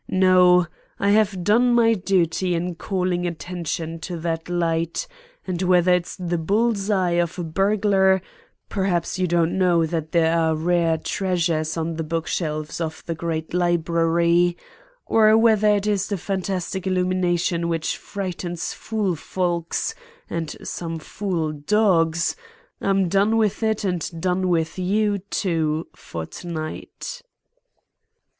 No; I have done my duty in calling attention to that light, and whether it's the bull's eye of a burglar—perhaps you don't know that there are rare treasures on the book shelves of the great library—or whether it is the fantastic illumination which frightens fool folks and some fool dogs, I'm done with it and done with you, too, for tonight."